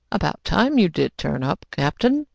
"About time you did turn up, captain!